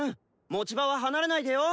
持ち場は離れないでよ。